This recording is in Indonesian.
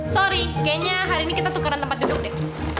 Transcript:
sorry kayaknya hari ini kita tukaran tempat duduk deh